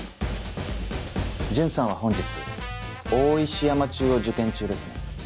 順さんは本日大石山中を受験中ですね。